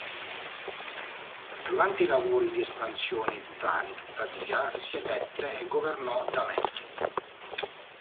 Durante i lavori di espansione di Tani, tuttavia, risiedette e governò da Menfi.